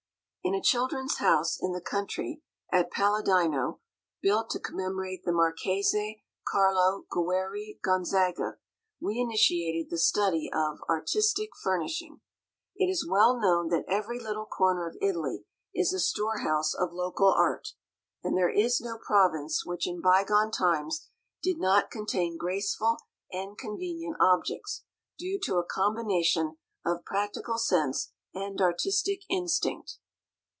In a "Children's House" in the country, at Palidano, built to commemorate the Marchese Carlo Guerrieri Gonzaga, we initiated the study of "artistic" furnishing. It is well known that every little corner of Italy is a storehouse of local art, and there is no province which in bygone times did not contain graceful and convenient objects, due to a combination of practical sense and artistic instinct.